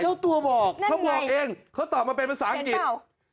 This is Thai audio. เจ้าตัวบอกนั่นไงเจ้าตัวบอกเองเขาตอบมาเป็นภาษาอังกฤษ